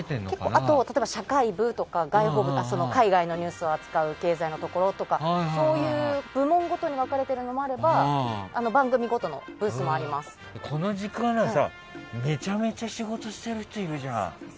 あとは社会部とか海外のニュースを扱う経済のところとか、部門ごとに分かれているのもあればこの時間でもめちゃめちゃ仕事してる人いるじゃん。